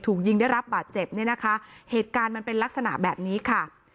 ถูกยิงได้รับบาดเจ็บเนี่ยนะคะเหตุการณ์มันเป็นลักษณะแบบนี้ค่ะ